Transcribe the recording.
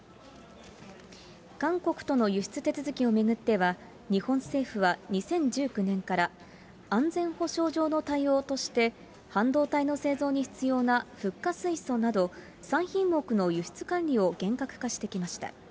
韓国との輸出手続きを巡っては、日本政府は２０１９年から、安全保障上の対応として、半導体の製造に必要なフッ化水素など、３品目の輸出管理を厳格化してきました。